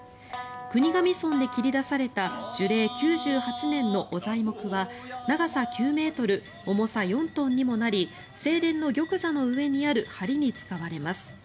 国頭村で切り出された樹齢９８年の御材木は長さ９ｍ重さおよそ４トンにもなり正殿の玉座の上にあるはりに使われます。